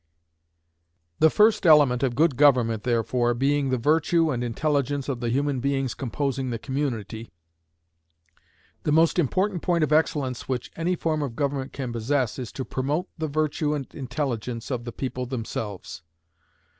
The first element of good government, therefore, being the virtue and intelligence of the human beings composing the community, the most important point of excellence which any form of government can possess is to promote the virtue and intelligence of the people themselves.